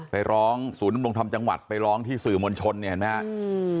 ไปร้องศูนย์นำลงทำจังหวัดไปร้องที่สื่อมวลชนเนี่ยเห็นมั้ยฮะ